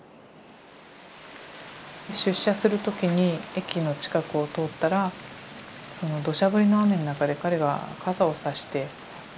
出社する時に駅の近くを通ったらその土砂降りの雨の中で彼が傘をさして待っていて。